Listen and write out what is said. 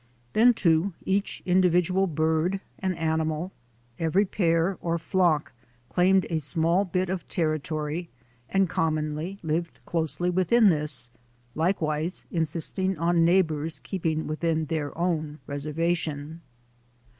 Then, too, each individual bird and animal, every pair or flock claimed a small bit of territory and commonly lived closely within this, likewise insisting on neighbours keeping within their own reservation.